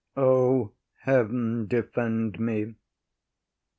O heaven defend me!